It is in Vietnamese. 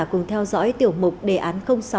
cùng theo dõi tiểu mục đề án sáu